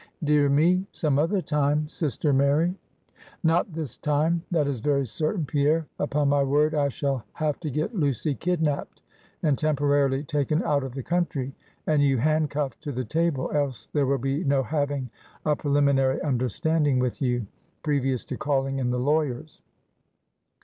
"Dear me! some other time, sister Mary." "Not this time; that is very certain, Pierre. Upon my word I shall have to get Lucy kidnapped, and temporarily taken out of the country, and you handcuffed to the table, else there will be no having a preliminary understanding with you, previous to calling in the lawyers.